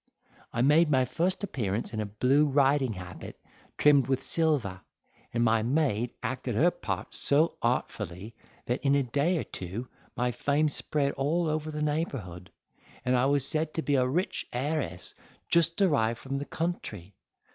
I made my first appearance in a blue riding habit trimmed with silver; and my maid acted her part so artfully, that in a day or two my fame spread all over the neighbourhood, and I was said to be a rich heiress just arrived from the country.